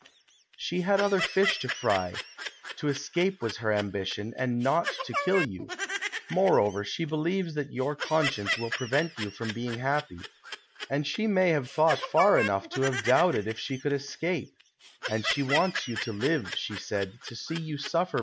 " Slie had other fish to fry ; to escape was her ambition, and not to kill you ; moreover, slie believes that your con science will prevent you from being happy, and she may have thought far enough to have doubted if she could es cape, and she wants you to live, she said, to see you suffer THE CONSPIRATOES AND LOVERS.